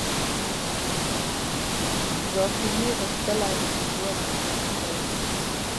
زاخیلي غښتلی لیکوال او منلی شاعر و.